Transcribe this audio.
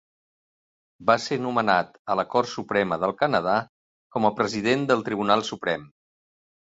Va ser nomenat a la Cort Suprema del Canadà com a president del Tribunal Suprem.